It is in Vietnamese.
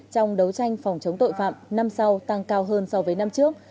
trong đấu tranh phòng chống tội phạm năm sau tăng cao hơn so với năm trước